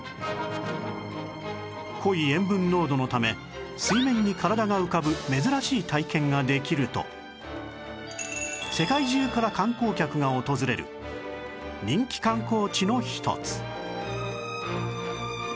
濃い塩分濃度のため水面に体が浮かぶ珍しい体験ができると世界中から観光客が訪れる人気観光地の一つ